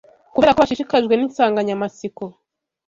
kubera ko bashishikajwe ninsanganyamatsiko,